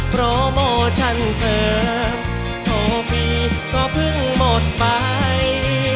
โปรโมชั่นเสริมโทรพี่ก็เพิ่งหมดไป